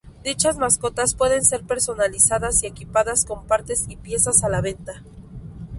Dichas mascotas pueden ser personalizadas y equipadas con partes y piezas a la venta.